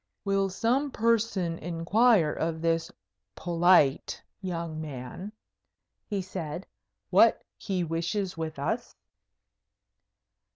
"Will some person inquire of this polite young man," he said, "what he wishes with us?"